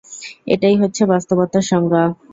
এটাই হচ্ছে বাস্তবতার সংজ্ঞা।